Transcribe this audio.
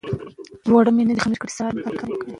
د اقتصادي نظام ډولونه بېلابیل دي.